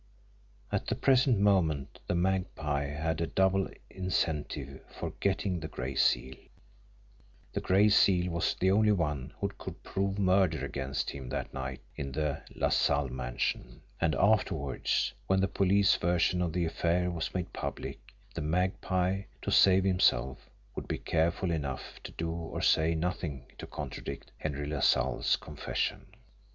At the present moment the Magpie had a double incentive for "getting" the Gray Seal the Gray Seal was the only one who could prove murder against him that night in the LaSalle mansion. And afterwards, when the police version of the affair was made public, the Magpie, to save himself, would be careful enough to do or say nothing to contradict "Henry LaSalle's" confession!